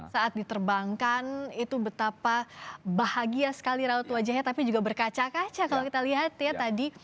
saat diterbangkan itu betapa bahagia sekali raut wajahnya tapi juga berkaca kaca kalau kita lihat ya tadi